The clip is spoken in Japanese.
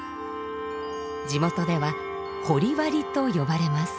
地元では「掘割」と呼ばれます。